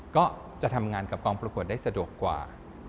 ก็จะทำงานกับกองประกวดได้สะดวกกว่า